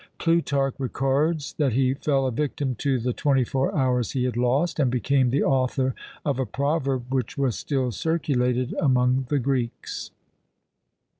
Plutarch records that he fell a victim to the twenty four hours he had lost, and became the author of a proverb which was still circulated among the Greeks.